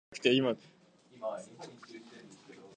Zavala had a keen intellect and was fluent in many languages.